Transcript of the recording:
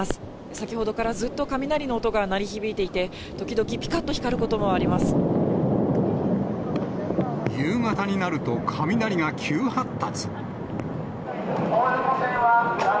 先ほどからずっと雷の音が鳴り響いていて、夕方になると雷が急発達。